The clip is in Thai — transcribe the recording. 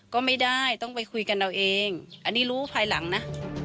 ก็ไม่ได้ต้องไปคุยกันเอาเองอันนี้รู้ภายหลังนะ